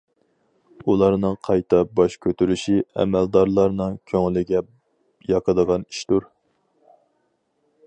ئۇلارنىڭ قايتا باش كۆتۈرۈشى ئەمەلدارلارنىڭ كۆڭلىگە ياقىدىغان ئىشتۇر.